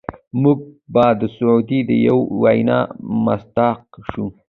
موږ به د سعدي د یوې وینا مصداق شو.